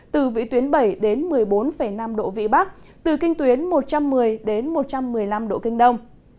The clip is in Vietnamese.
từ vị tuyến bảy đến một mươi bốn năm độ vị bắc từ kinh tuyến một trăm một mươi đến một trăm một mươi năm độ kinh đông